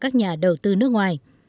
các nhà đầu tư nước ngoài